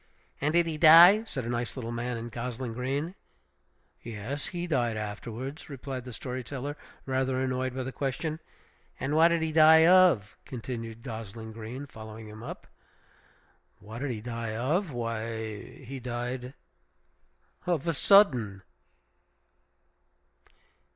"And did he die?" said the nice little man in gosling green. "Yes; he died afterwards," replied the story teller, rather annoyed by the question. "And what did he die of?" continued gosling green, following him up. "What did he die of? why, he died of a sudden!"